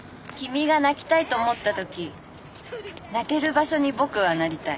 君が泣きたいと思った時泣ける場所に僕はなりたい。